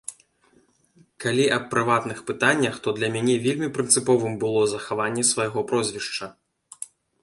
Калі аб прыватных пытаннях, то для мяне вельмі прынцыповым было захаванне свайго прозвішча.